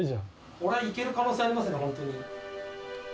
これはいける可能性ありますね、本当に。